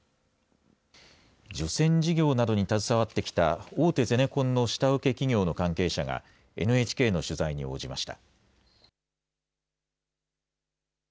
除染事業などに携わってきた大手ゼネコンの下請け企業の関係者が、ＮＨＫの取材に応じました。